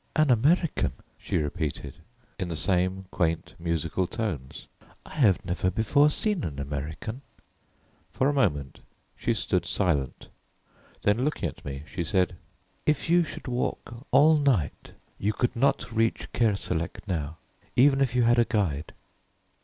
"An American," she repeated in the same quaint musical tones. "I have never before seen an American." For a moment she stood silent, then looking at me she said. "If you should walk all night you could not reach Kerselec now, even if you had a guide."